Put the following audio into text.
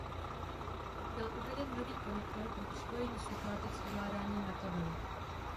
Byl uveden nový konektor pro připojení sluchátek s ovládáním na kabelu.